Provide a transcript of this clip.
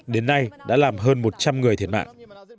đến nay đã làm hơn một trăm linh người thiệt mạng